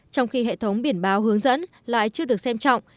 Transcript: trong khi hệ thống biển báo hướng dẫn lại chưa được xem trọng